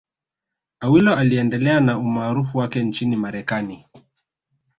Awilo aliendelea na umaarufu wake nchini Marekani